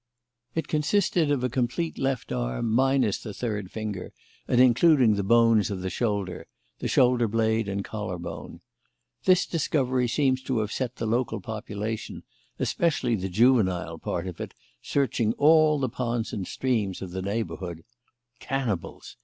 It consisted of a complete left arm, minus the third finger and including the bones of the shoulder the shoulder blade and collar bone. This discovery seems to have set the local population, especially the juvenile part of it, searching all the ponds and streams of the neighbourhood " "Cannibals!"